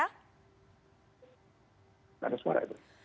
tidak ada suara itu